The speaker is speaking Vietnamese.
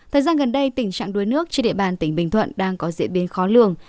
thời gian gần đây tình trạng đuối nước trên địa bàn tỉnh bình thuận đang có diễn biến khó lường